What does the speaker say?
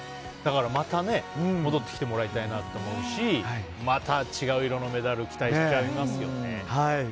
だから、また戻ってきてもらいたいなと思うしまた違う色のメダル期待しちゃいますよね。